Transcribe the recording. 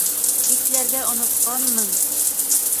Бикләргә онотҡанмын...